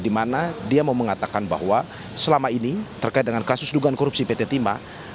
dimana dia mau mengatakan bahwa selama ini terkait dengan kasus dugaan korupsi pt timah